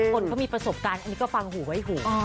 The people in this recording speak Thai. คนเขามีประสบการณ์อันนี้ก็ฟังหูไว้หู